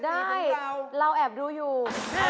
ได้เราแอบดูอยู่